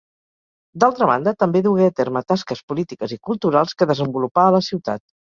D'altra banda també dugué a terme tasques polítiques i culturals que desenvolupà a la ciutat.